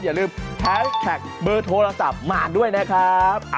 อย่าลืมแฮชแท็กเบอร์โทรศัพท์มาด้วยนะครับ